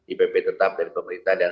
ipp tetap dari pemerintah dan